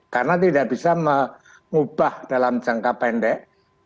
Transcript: karena tidak bisa mengubah dalam jangka pendek